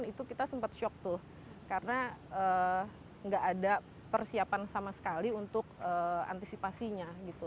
itu kita sempat shock tuh karena nggak ada persiapan sama sekali untuk antisipasinya gitu